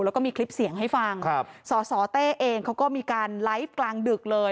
แล้วก็มีคลิปเสียงให้ฟังครับสสเต้เองเขาก็มีการไลฟ์กลางดึกเลย